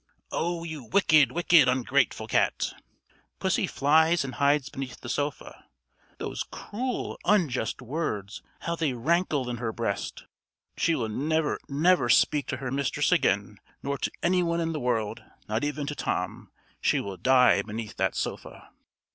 "Oh! you wicked, wicked, ungrateful cat!" Pussy flies and hides beneath the sofa. Those cruel, unjust words, how they rankle in her breast! "She will never never speak to her mistress again, nor to any one in the world, not even to Tom. She will die beneath that sofa."